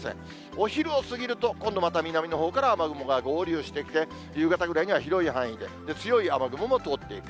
お昼を過ぎると、今度また南のほうから雨雲が合流してきて、夕方ぐらいには広い範囲で、強い雨雲も通っていく。